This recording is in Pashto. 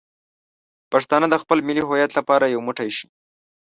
پښتانه باید د خپل ملي هویت لپاره یو موټی شي.